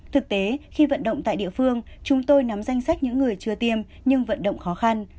thực tế khi vận động tại địa phương chúng tôi nắm danh sách những người chưa tiêm nhưng vận động khó khăn